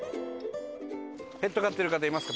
ペット飼ってる方いますか？